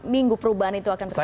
minggu perubahan itu akan terjadi